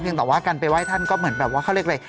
ยังแต่ว่าการไปไหว้ท่านก็เหมือนแบบว่าเขาเรียกอะไร